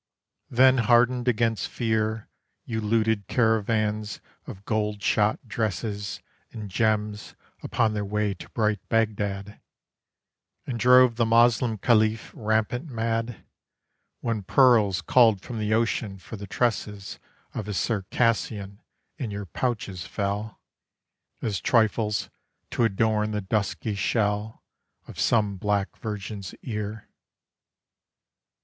Then hardened against fear You looted caravans of gold shot dresses And gems upon their way to bright Baghdad, And drove the Moslem Khalif rampant mad, When pearls culled from the ocean for the tresses Of his Circassian, in your pouches fell, As trifles to adorn the dusky shell Of some black virgin's ear.